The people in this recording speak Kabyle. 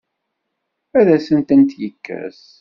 Ad asent-tent-yekkes?